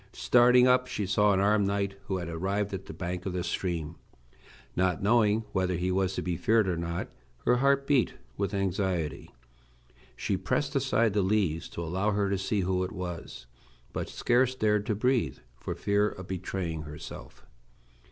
Starting up, she saw an armed knight who had arrived at the bank of the stream. Not knowing whether he was to be feared or not, her heart beat with anxiety. She pressed aside the leaves to allow her to see who it was, but scarce dared to breathe for fear of betraying herself.